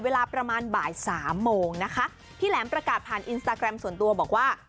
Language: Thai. เวลาประมาณบ่ายสามโมงนะคะพี่แหลมประกาศผ่านอินสตาแกรมส่วนตัวบอกว่า